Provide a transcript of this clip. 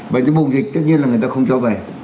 và những vùng dịch tất nhiên là người ta không cho về